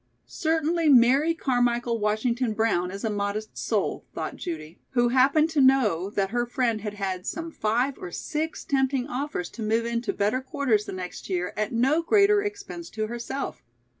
"Certainly Mary Carmichael Washington Brown is a modest soul," thought Judy, who happened to know that her friend had had some five or six tempting offers to move into better quarters the next year at no greater expense to herself.